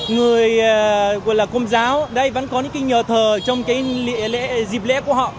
người công giáo vẫn có những nhờ thờ trong dịp lễ của họ